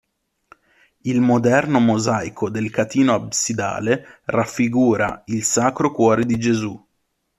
Il moderno mosaico del catino absidale raffigura il "Sacro Cuore di Gesù".